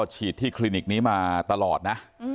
ฉีดที่คลินิกนี้มาตลอดนะ